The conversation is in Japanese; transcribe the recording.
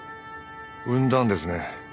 産んだんですね